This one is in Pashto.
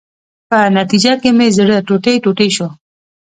په نتیجه کې مې زړه ټوټې ټوټې شو.